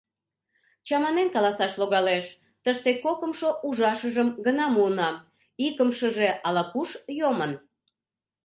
Чаманен каласаш логалеш, тыште кокымшо ужашыжым гына муынам, икымшыже ала-куш йомын.